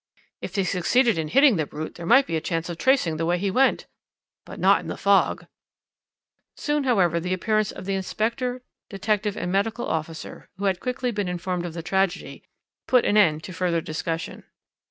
"'If he succeeded in hitting the brute, there might be a chance of tracing the way he went.' "'But not in the fog.' "Soon, however, the appearance of the inspector, detective, and medical officer, who had quickly been informed of the tragedy, put an end to further discussion.